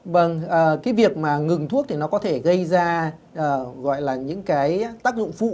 vâng cái việc mà ngừng thuốc thì nó có thể gây ra gọi là những cái tác dụng phụ